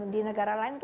di negara lain itu